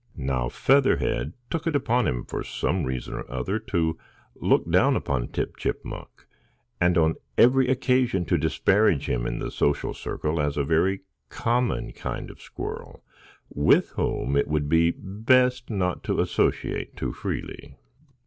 Now Featherhead took it upon him, for some reason or other, to look down upon Tip Chipmunk, and on every occasion to disparage him in the social circle, as a very common kind of squirrel, with whom it would be best not to associate too freely.